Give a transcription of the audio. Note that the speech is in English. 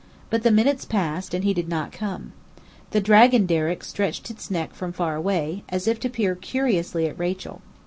But the minutes passed and he did not come. The dragon derrick stretched its neck from far away, as if to peer curiously at Rachel.